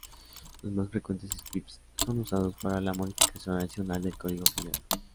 Los más frecuentes scripts son usados para la modificación adicional del código generado.